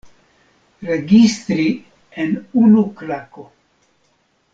Registri en unu klako.